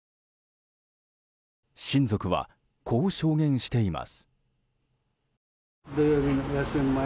親族はこう証言しています。